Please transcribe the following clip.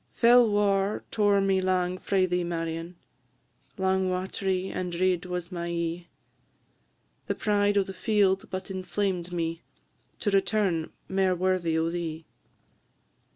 Fell war tore me lang frae thee, Marion, Lang wat'ry and red was my e'e; The pride o' the field but inflamed me To return mair worthy o' thee.